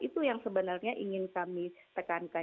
itu yang sebenarnya ingin kami tekankan